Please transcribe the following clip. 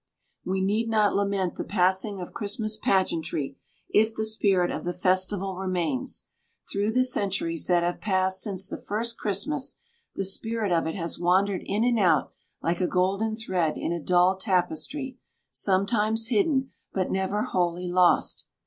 We need not lament the passing of Christmas pageantry, if the spirit of the festival remains. Through the centuries that have passed since the first Christmas, the spirit of it has wandered in and out like a golden thread in a dull tapestry, sometimes hidden, but never wholly lost.